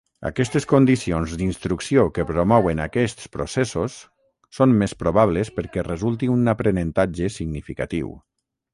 Aquestes condicions d'instrucció que promouen aquests processos són més probables perquè resulti un aprenentatge significatiu.